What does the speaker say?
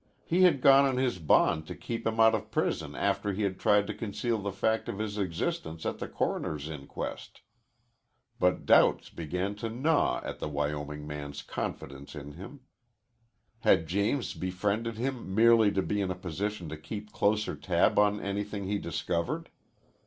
He had gone on his bond to keep him out of prison after he had tried to conceal the fact of his existence at the coroner's inquest. But doubts began to gnaw at the Wyoming man's confidence in him. Had James befriended him merely to be in a position to keep closer tab on anything he discovered?